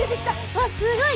わっすごい！